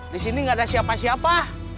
di sini nggak ada siapa siapa